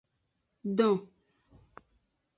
Don.